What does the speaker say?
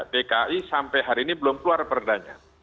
dki sampai hari ini belum keluar perdanya